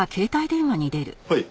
はい。